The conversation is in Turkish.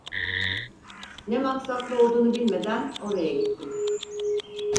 Ne maksatla olduğunu bilmeden oraya gittim.